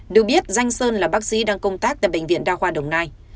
được biết danh sơn là bác sĩ đang công tác tại bệnh viện đa khoa đồng nai